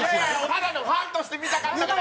ただのファンとして見たかったから。